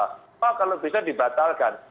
kalau bisa dibatalkan